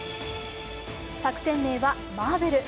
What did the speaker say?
作戦名は「マーベル」。